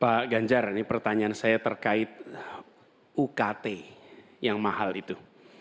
pak ganjar ini pertanyaan saya terkait ukt yang mahal itu